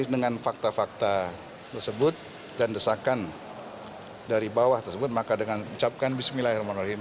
dengan fakta fakta tersebut dan desakan dari bawah tersebut maka dengan ucapkan bismillahirrahmanirrahim